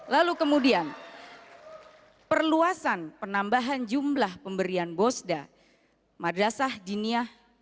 lalu kemudian perluasan penambahan jumlah pemberian bosda madrasah dinia